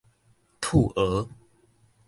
黜蚵